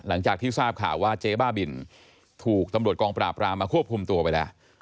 หลังจากที่ทราบข่าวว่าเจ๊บ้าบินถูกตำรวจกองปราบรามมาควบคุมตัวไปแล้ว